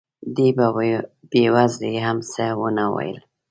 دې بې وزلې هم څه ونه ویل.